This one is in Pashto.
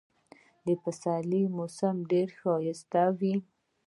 د پسرلي موسم ډېر ښایسته وي.